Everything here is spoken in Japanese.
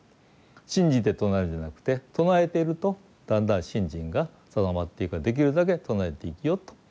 信じて唱えるんじゃなくて唱えているとだんだん信心が定まっていくからできるだけ唱えて生きよと。